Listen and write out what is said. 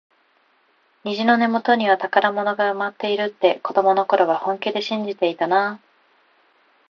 虹の根元には宝物が埋まっているって、子どもの頃は本気で信じてたなあ。